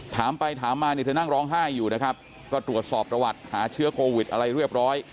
ถามไปถามมาเนี่ยเธอนั่งร้องไห้อยู่นะครับก็ตรวจสอบประวัติหาเชื้อโควิดอะไรเรียบร้อย